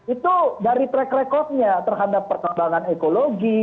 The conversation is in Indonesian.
itu dari track record nya terhadap perkembangan ekologi